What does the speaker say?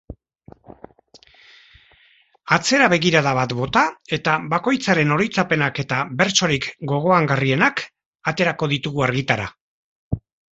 Atzera begirada bat bota eta bakoitzaren oroitzapenak eta bertsorik gogoangarrienak aterako ditugu argitara.